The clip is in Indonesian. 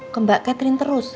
ke mbak catherine terus